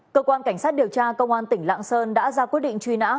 cơ quan cảnh sát điều tra công an tỉnh lạng sơn đã ra quyết định truy nã